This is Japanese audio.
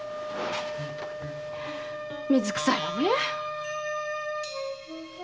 水くさいわね！